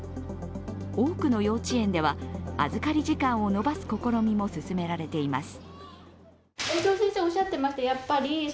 多くの幼稚園では預かり時間を延ばす試みも進められています。